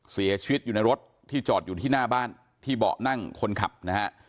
เสียชีวิตอยู่ในรถที่จอดอยู่ที่หน้าบ้านที่เบาะนั่งคนขับนะฮะ